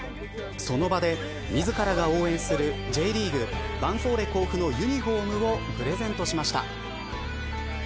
その場で、自らが応援するＪリーグ、ヴァンフォーレ甲府のユニホームをプレゼントしました。